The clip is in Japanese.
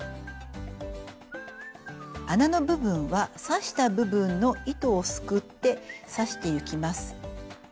穴の部分は刺した部分の糸をすくって刺していきます。